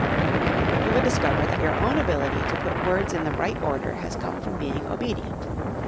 You would discover that your own ability to put words in the right order has come from being obedient.